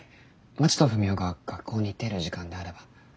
まちとふみおが学校に行っている時間であれば。